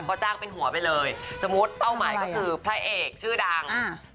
ก็จ้างเป็นหัวไปเลยสมมุติเป้าหมายก็คือพระเอกชื่อดัง